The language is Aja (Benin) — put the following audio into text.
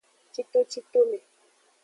Citocitome.